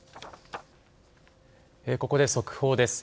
ここで速報です。